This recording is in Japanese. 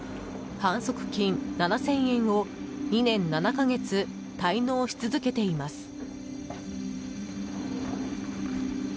反則金７０００円を２年７か月、滞納し続けています。